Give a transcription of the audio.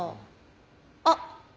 あっ！